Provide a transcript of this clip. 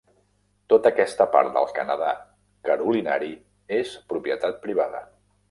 Tota aquesta part del Canadà Carolinari és propietat privada.